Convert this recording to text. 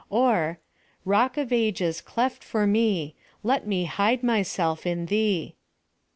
Or, Kock of Ages, cleft for roe, Let me hide myself in Thee.